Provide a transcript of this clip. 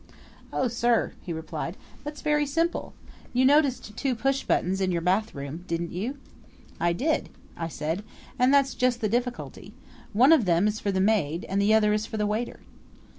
"Oh, sir," he replied, "that's very simple. You noticed two pushbuttons in your bathroom, didn't you?" "I did," I said, "and that's just the difficulty. One of them is for the maid and the other is for the waiter."